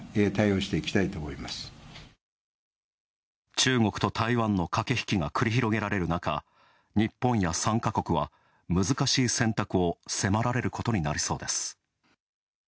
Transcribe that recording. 中国と台湾の駆け引きが繰り広げられる中日本や参加国は難しい選択を迫られることになりそうです。